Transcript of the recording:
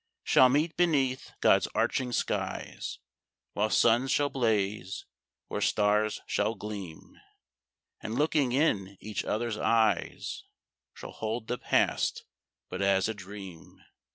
Shall meet beneath God's arching skies, While suns shall blaze, or stars shall gleam, And looking in each other's eyes Shall hold the past but as a dream.